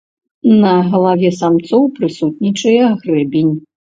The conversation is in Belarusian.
На галаве самцоў прысутнічае грэбень.